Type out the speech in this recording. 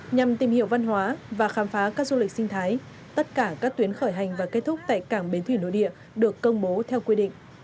nhằm tìm hiểu văn hóa và khám phá các du lịch sinh thái tất cả các tuyến khởi hành và kết thúc tại cảng bến thủy nội địa được công bố theo quy định